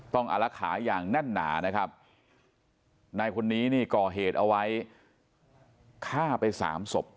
ต้องอาละขาอย่างแน่นหนานะครับนายคนนี้ก่อเหตุเอาไว้ฆ่าไป๓ศพ